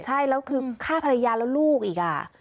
ใช่แล้วคือฆ่าภรรยาแล้วลูกอีก